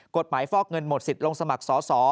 ฟอกเงินหมดสิทธิ์ลงสมัครสอสอ